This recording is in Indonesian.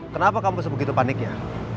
kenapa kamu sebegitu paniknya